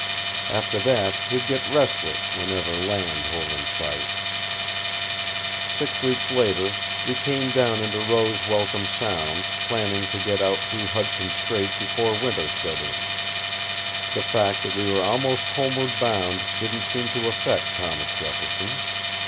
After that he'd get restless whenever land hove in sight. Six weeks later we came down into Roes Welcome Sound, planning to get out through Hudson Strait before winter set in. The fact that we were almost homeward bound didn't seem to affect Thomas Jefferson.